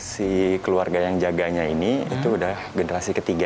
si keluarga yang jaganya ini itu udah generasi ketiga